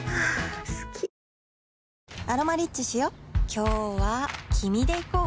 今日は君で行こう